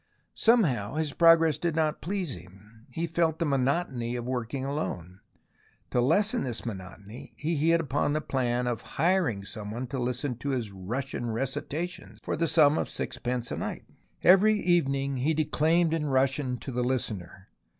Somehow his progress did not please him, he felt the monotony of working alone. To lessen this monotony he hit on the plan of hiring some one to listen to his Russian recitations for the sum of sixpence a night. Every evening he declaimed in Russian to the listener.